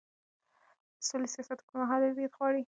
د سولې سیاست اوږدمهاله لید غواړي